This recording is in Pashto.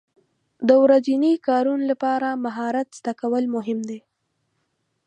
د ورځني کارونو لپاره مهارت زده کول مهم دي.